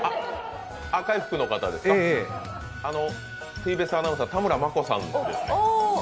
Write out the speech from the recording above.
赤い服の方ですか、ＴＢＳアナウンサー田村真子さんですね。